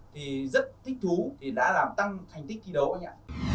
thì rất thích thú thì đã làm tăng thành tích thi đấu anh ạ